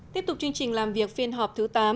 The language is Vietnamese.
tiếp tục chương trình làm việc phiên họp thứ tám